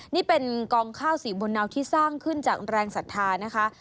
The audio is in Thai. นี่เป็นกองข้าวสีบนเนาที่สร้างขึ้นจากแรงศรัทธานะคะ